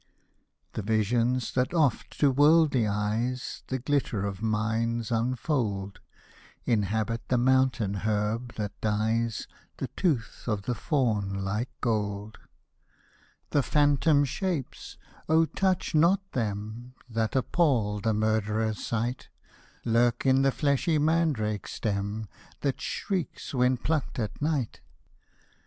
The visions, that oft to worldly eyes The glitter of mines unfold, Inhabit the mountain herb, that dyes The tooth of the fawn like gold. Hosted by Google THE LIGHT OF THE HAREM 153 The phantom shapes — oh touch not them — That appal the murderer's sight, Lurk in the fleshly mandrake's stem, That shrieks, when plucked at night